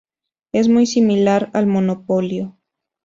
Es muy similar al monopolio.